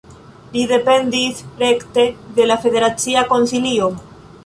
Li dependis rekte de la federacia Konsilio.